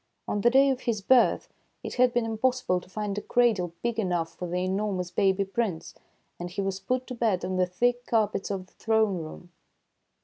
On the day of his birth it had been impossible to find a cradle big enough for the enormous baby Prince, and he was put to bed on the thick car pets of the throne room.